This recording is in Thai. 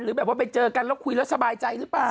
แบบว่าไปเจอกันแล้วคุยแล้วสบายใจหรือเปล่า